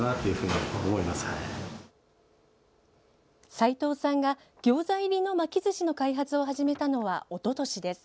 齋藤さんがギョーザ入りの巻きずしの開発を始めたのは、おととしです。